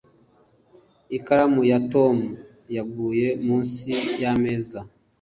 ikaramu ya tom yaguye munsi y'ameza